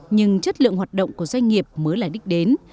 nhưng chất lượng hoạt động của doanh nghiệp mới là đích đến